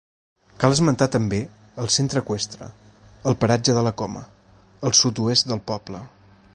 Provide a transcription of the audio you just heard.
Cal esmentar també el Centre Eqüestre, al paratge de la Coma, al sud-oest del poble.